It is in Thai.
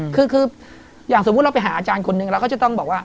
คืออย่างสมมุติเราไปหาอาจารย์คนนึงเราก็จะต้องบอกว่า